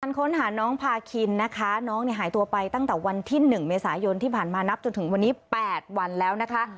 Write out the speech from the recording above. ค้นหาน้องพาคินนะคะน้องเนี่ยหายตัวไปตั้งแต่วันที่๑เมษายนที่ผ่านมานับจนถึงวันนี้๘วันแล้วนะคะ